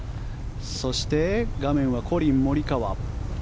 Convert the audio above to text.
そして画面はコリン・モリカワ。